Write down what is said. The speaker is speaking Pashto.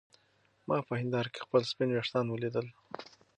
ما په هېنداره کې خپل سپین ويښتان ولیدل.